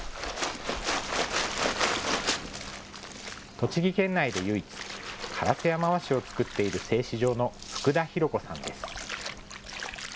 栃木県内で唯一、烏山和紙を作っている製紙場の福田博子さんです。